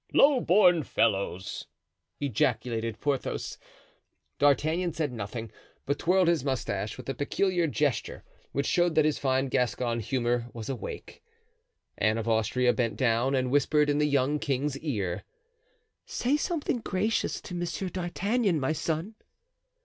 "Low born fellows!" ejaculated Porthos. D'Artagnan said nothing, but twirled his mustache with a peculiar gesture which showed that his fine Gascon humor was awake. Anne of Austria bent down and whispered in the young king's ear: "Say something gracious to Monsieur d'Artagnan, my son."